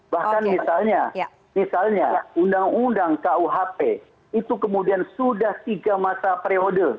bahkan misalnya undang undang kuhp itu kemudian sudah tiga masa periode